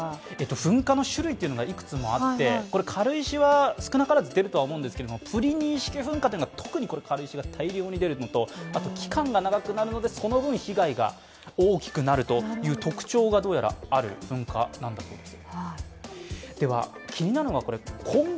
噴火の種類がいくつもあって、軽石は少なからず出ると思うんですが、プリニー式噴火というのが特に軽石が大量に出るものと、あと期間が長くなるのでその分、被害が大きくなるという特徴がある噴火なんだそうです。